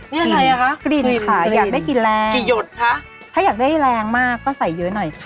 นี่อะไรอ่ะคะกลิ่นค่ะอยากได้กลิ่นแรงกี่หยดคะถ้าอยากได้แรงมากก็ใส่เยอะหน่อยค่ะ